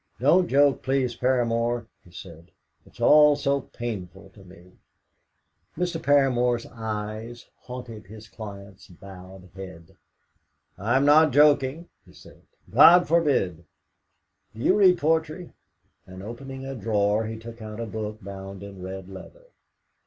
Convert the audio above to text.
"Don't joke, please, Paramor," he said; "it's all so painful to me." Mr. Paramor's eyes haunted his client's bowed head. "I'm not joking," he said. "God forbid! Do you read poetry?" And opening a drawer, he took out a book bound in red leather.